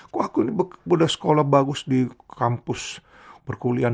kok aku ini bersekolah bagus di kampus berkulian